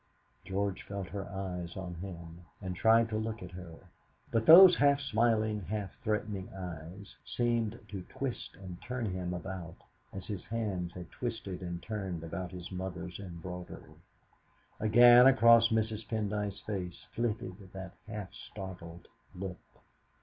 George felt her eyes on him, and tried to look at her, but those half smiling, half threatening eyes seemed to twist and turn him about as his hands had twisted and turned about his mother's embroidery. Again across Mrs. Pendyce's face flitted that half startled look.